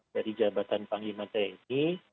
dari jabatan panglima tni